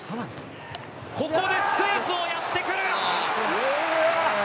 ここでスクイズをやってくる！